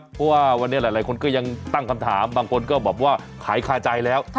เพราะว่าวันนี้หลายคนก็ยังตั้งคำถามบางคนก็แบบว่าขายคาใจแล้ว